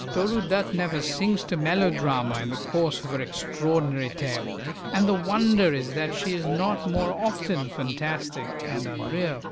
Toru Dutt never sinks to melodrama in the course of her extraordinary tale, and the wonder is that she is not more often fantastic and unreal.